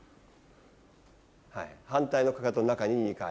反対のかかと中に２回。